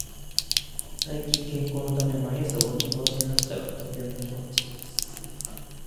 最近、健康のために毎朝ウォーキングを始めましたが、とても気持ちがいいです。